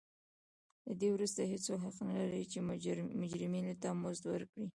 له دې وروسته هېڅوک حق نه لري چې مجرمینو ته مزد ورکړي.